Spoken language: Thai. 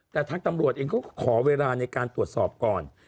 แต่ทางตำรวจเองก็ขอเวลาในการตรวจสอบก่อน